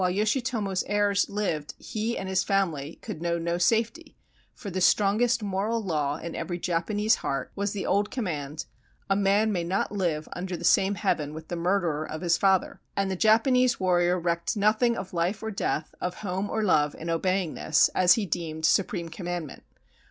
Yoshitomo's heirs lived he and his family could know no safety, for the strongest moral law in every Japanese heart was the old command, "A man may not live under the same heaven with the murderer of his father," and the Japan ese warrior recked nothing of life or death, of home or love in obeying this — as he deemed — supreme com mandment.